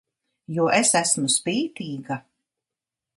Jo es esmu spītīga!